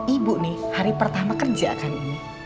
ibu nih hari pertama kerja kan